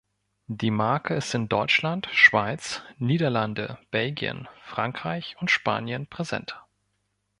Die Marke ist in Deutschland, Schweiz, Niederlande, Belgien, Frankreich und Spanien präsent.